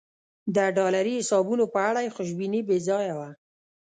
د ډالري حسابونو په اړه یې خوشبیني بې ځایه وه.